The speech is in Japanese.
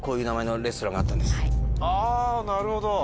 あなるほど。